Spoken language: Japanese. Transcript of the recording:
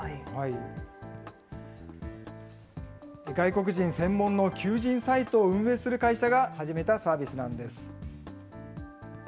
外国人専門の求人サイトを運営する会社が始めたサービスなんです。